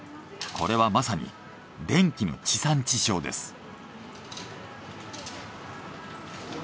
これはまさに電気の地産地消です。